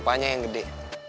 apanya yang gede